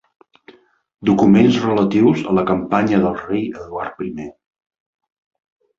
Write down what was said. Documents relatius a la campanya del rei Eduard I.